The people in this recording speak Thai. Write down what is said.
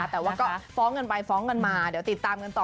แต่ว่าก็ฟ้องกันไปฟ้องกันมาเดี๋ยวติดตามกันต่อ